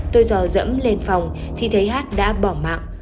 tôi dò dẫm lên phòng thì thấy hát đã bỏ mạng